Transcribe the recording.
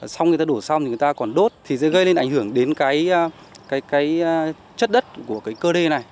xong người ta đổ xong thì người ta còn đốt thì sẽ gây lên ảnh hưởng đến cái chất đất của cái cơ đê này